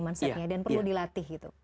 manseknya dan perlu dilatih